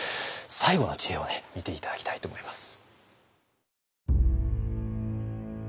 最後の知恵を見て頂きたいと思います。